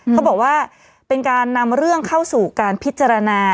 เขาบอกว่าเป็นการนำเรื่องเข้าสู่การพิจารณา